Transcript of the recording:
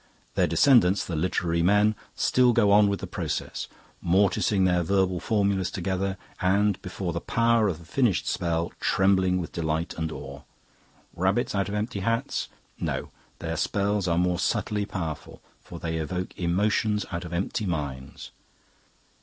Their descendants, the literary men, still go on with the process, morticing their verbal formulas together, and, before the power of the finished spell, trembling with delight and awe. Rabbits out of empty hats? No, their spells are more subtly powerful, for they evoke emotions out of empty minds.